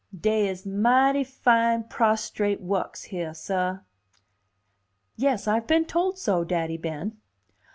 "Dey is mighty fine prostrate wukks heah, sah." "Yes, I've been told so, Daddy Ben."